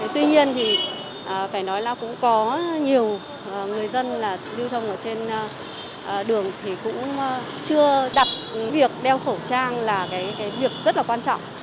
tuy nhiên thì phải nói là cũng có nhiều người dân là lưu thông ở trên đường thì cũng chưa đặt việc đeo khẩu trang là cái việc rất là quan trọng